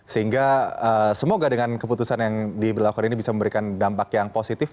sehingga semoga dengan keputusan yang diberlakukan ini bisa memberikan dampak yang positif